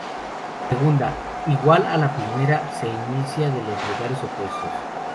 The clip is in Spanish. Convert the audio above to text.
Segunda: igual a la primera, se inicia de los lugares opuestos.